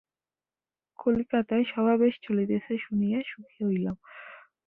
কলিকাতায় সভা বেশ চলিতেছে শুনিয়া সুখী হইলাম।